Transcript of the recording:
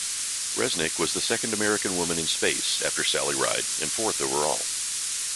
Resnik was the second American woman in space, after Sally Ride, and fourth overall.